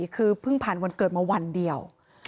คือเพิ่งผ่านวันเกิดมาวันเดียว